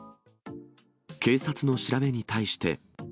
警察の調べに対して。